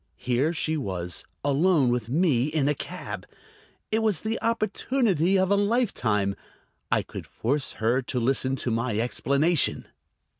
Here she was, alone with me in a cab. It was the opportunity of a lifetime. I could force her to listen to my explanation.